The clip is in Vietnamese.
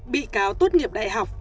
bị cáo tuốt nghiệp đại học